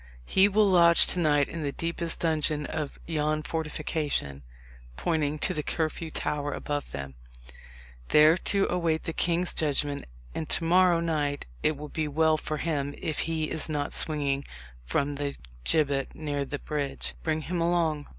He will lodge to night in the deepest dungeon of yon fortification," pointing to the Curfew Tower above them, "there to await the king's judgment; and to morrow night it will be well for him if he is not swinging from the gibbet near the bridge. Bring him along."